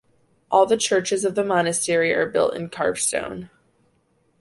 All the churches of the monastery are built in carved stone.